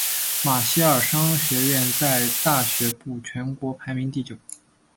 马歇尔商学院在大学部全国排名第九。